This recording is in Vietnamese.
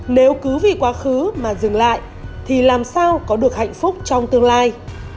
nếu cứ vì quá khứ mà dừng lại thì làm sao có được hạnh phúc trong tương lai